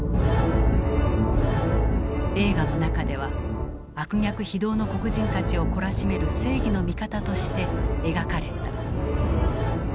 映画の中では悪逆非道の黒人たちを懲らしめる正義の味方として描かれた。